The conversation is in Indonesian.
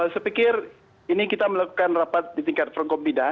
sepikir ini kita melakukan rapat di tingkat prokomunis